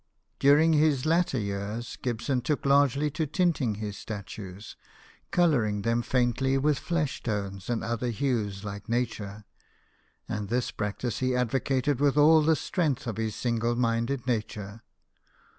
During his later years Gibson took largely to 86 BIOGRAPHIES OF WORKING MEN. tinting his statues colouring them faintly with flesh tones and other hues like nature ; and this practice he advocated with all the strength of his single minded nature.